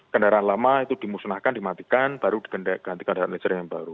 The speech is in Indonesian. kendaraan lama itu dimusnahkan dimatikan baru digantikan kendaraan leger yang baru